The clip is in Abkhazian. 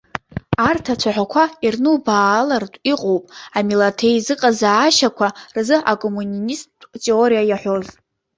Арҭ ацәаҳәақәа ирнубаалартә иҟоуп, амилаҭеизыҟазаашьақәа рзы акоммунисттә теориа иаҳәоз.